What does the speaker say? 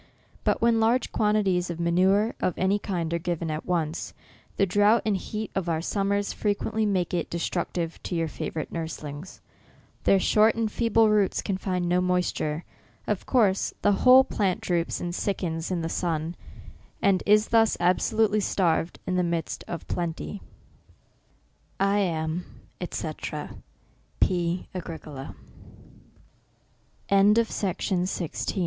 But when large quantities of manure of any kind are given at once, the drought and heat of our summers frequently make it destruc tive to your favorite nurslings. Their short and feeble roots can find no moisture ; of course the whole plant droops and sickens in the sun, and is thus absolutely starved in the midst of plenty. /am, (Jr.